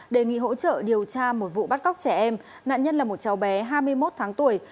đề nghị hỗ trợ điều tra một vụ bắt cóc trẻ em nạn nhân là một cháu bé hai mươi một tháng tuổi